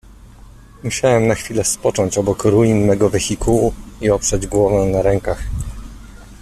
"Musiałem na chwilę spocząć obok ruin mego wehikułu i oprzeć głowę na rękach."